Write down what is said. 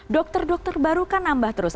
dokter dokter baru kan nambah terus